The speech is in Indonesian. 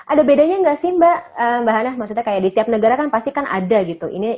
ada bedanya nggak sih mbak mbak hana maksudnya kayak di setiap negara kan pasti kan ada gitu